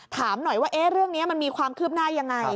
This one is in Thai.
ถามหน่อยว่าเรื่องนี้มันมีความคืบหน้ายังไง